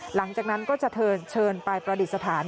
หลังจากนั้นก็จะเชิญไปประดิษฐาน